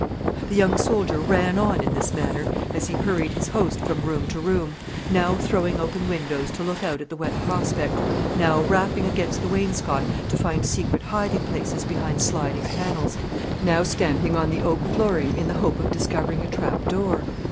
The young soldier ran on in this manner, as he hurried his host from room to room; now throwing open windows to look out at the wet prospect; now rapping against the wainscot to find secret hiding places behind sliding panels; now stamping on the oak flooring in the hope of discovering a trap door.